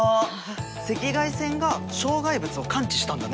赤外線が障害物を感知したんだね。